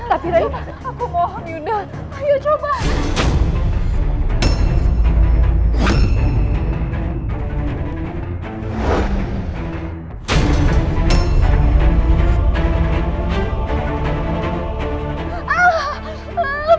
tapi rai aku mohon yunda ayo cobalah